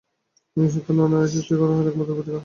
নিঃস্বার্থ নরনারী সৃষ্টি করাই হইল একমাত্র প্রতীকার।